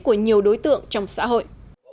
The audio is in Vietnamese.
của nhiều đối tượng trong xã hội